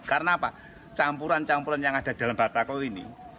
karena apa campuran campuran yang ada dalam batako ini